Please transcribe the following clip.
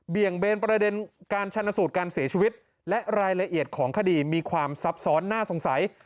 เบนประเด็นการชนสูตรการเสียชีวิตและรายละเอียดของคดีมีความซับซ้อนน่าสงสัย